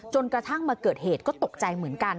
กระทั่งมาเกิดเหตุก็ตกใจเหมือนกัน